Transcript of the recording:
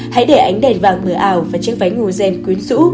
hãy để ánh đèn vàng mờ ảo và chiếc váy ngủ dền quyến rũ